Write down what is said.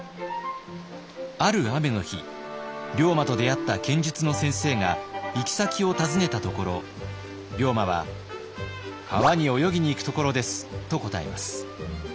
ある雨の日龍馬と出会った剣術の先生が行き先を尋ねたところ龍馬は「川に泳ぎに行くところです」と答えます。